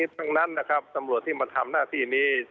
ทั้งนั้นนะครับตำรวจที่มาทำหน้าที่นี้